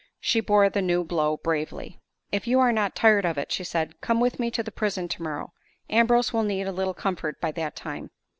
She bore the new blow bravely. "If you are not tired of it," she said, "come with me to the prison tomorrow. Ambrose will need a little comfort by that time."